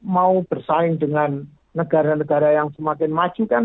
mau bersaing dengan negara negara yang semakin maju kan